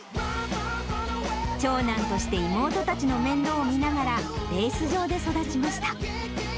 長男として妹たちの面倒を見ながら、レース場で育ちました。